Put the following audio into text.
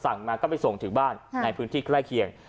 มาก็ไปส่งถึงบ้านในพื้นที่ใกล้เคียง